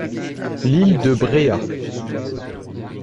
L’île de Bréhat.